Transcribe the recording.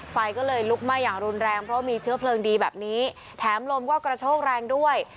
ไฟก็เลยลุกไหม้อย่างรุนแรงเพราะมีเชื้อเพลิงดีแบบนี้แถมลมก็กระโชกแรงด้วย